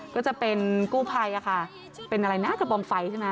คือจะเป็นกู้ภัยนะคะเป็นอะไรนะกระบองไฝใช่นะ